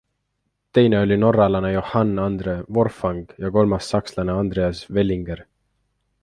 Teine oli norralane Johann Andre Forfang ja kolmas sakslane Andreas Wellinger.